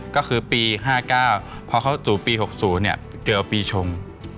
ก็คือปี๕๙เพราะเขาสู่ปี๖๐เนี่ยเดี๋ยวปีชง